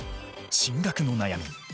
進学の悩み。